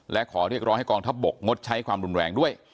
และขอเรียกร้องให้กองทัพบกงดใช้ความรุนแรงด้วย